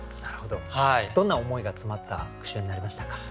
どんな思いが詰まった句集になりましたか？